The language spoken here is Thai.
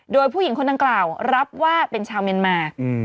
โดยผู้หญิงคนดังกล่าวรับว่าเป็นชาวเมียนมา